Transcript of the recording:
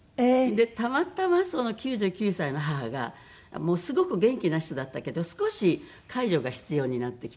でたまたまその９９歳の母がすごく元気な人だったけど少し介助が必要になってきて。